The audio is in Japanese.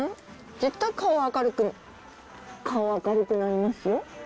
絶対顔明るく、顔、明るくなりますよ。